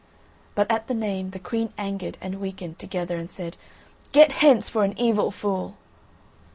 But at the name the Queen angered and weakened together, and said: "Get hence for an evil fool!"